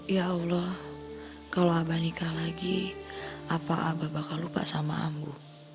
ya allah kalau abah nikah lagi apa abah bakal lupa sama amu